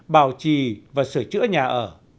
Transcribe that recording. bảo trì và sửa chữa nhà ở